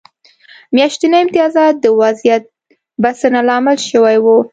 میاشتني امتیازات د وضعیت بسنه لامل شوي وو.